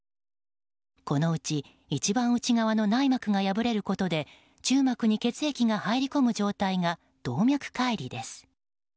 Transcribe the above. このうち一番内側の内膜が破れることで中膜に血液が入り込む状態が動脈解離です。